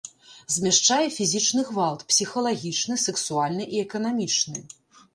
Змяшчае фізічны гвалт, псіхалагічны, сэксуальны і эканамічны.